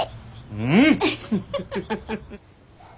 うん！